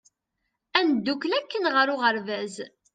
Ad ndukkel akken ɣer uɣeṛbaz!